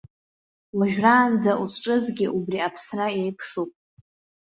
Уажәраанӡа узҿызгьы убри аԥсра еиԥшуп.